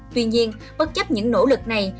tuy nhiên bất chấp những nỗ lực này